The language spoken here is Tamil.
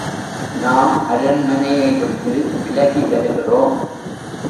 நாம் அரண்மனையை விட்டு விலகி வருகிறோம்.